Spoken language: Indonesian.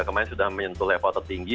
kemarin sudah menyentuh level tertinggi